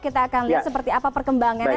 kita akan lihat seperti apa perkembangannya